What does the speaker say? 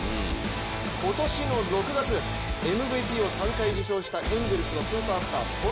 今年の６月です、ＭＶＰを３回受賞したエンゼルスのスーパースタート